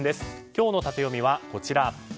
今日のタテヨミは、こちら。